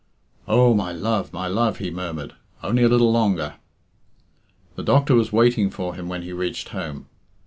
"Oh, my love, my love!" he murmured. "Only a little longer." The doctor was waiting for him when he reached home.